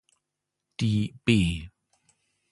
Die B